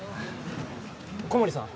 小森さん